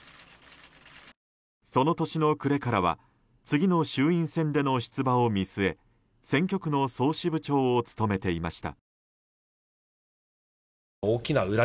その年の暮れからは次の衆院選での出馬を見据え選挙区の総支部長を務めていました。